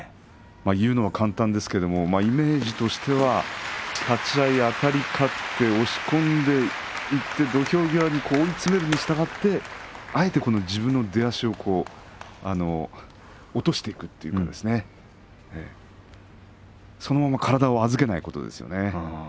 言うのは簡単ですがイメージとしては立ち合いあたり勝って押し込んでいって土俵際に追い詰めるにしたがってあえて自分の出足を落としていくというかそのまま体を預けないことですね。